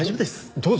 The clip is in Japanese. どうぞ！